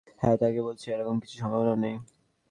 হ্যাঁ, তাকে বলেছি এরকম কিছুর সম্ভাবনাও নেই!